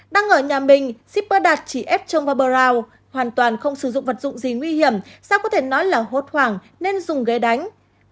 đang ở nhà mình shippera đạt chỉ ép trông vào bờ rào hoàn toàn không sử dụng vật dụng gì nguy hiểm sao có thể nói là hốt hoảng nên dùng ghế đánh